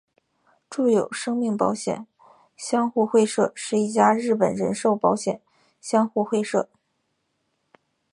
住友生命保险相互会社是一家日本人寿保险相互会社。